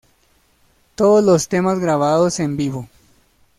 Todos los temas grabados en vivo.